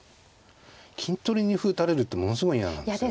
金取りに歩打たれるってものすごい嫌なんですよね。